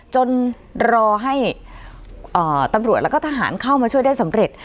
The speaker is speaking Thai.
จนรอให้ตำรวจแล้วก็ทหารเข้ามาช่วยได้สำเร็จ